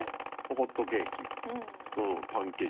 ホットケーキパンケーキ。